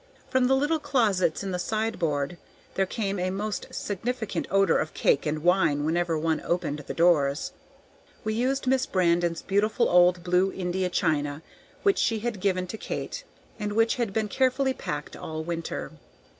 From the little closets in the sideboard there came a most significant odor of cake and wine whenever one opened the doors. We used Miss Brandon's beautiful old blue India china which she had given to Kate, and which had been carefully packed all winter.